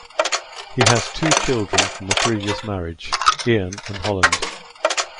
He has two children from a previous marriage, Ian and Holland.